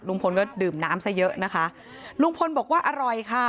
ลุงพลก็ดื่มน้ำซะเยอะนะคะลุงพลบอกว่าอร่อยค่ะ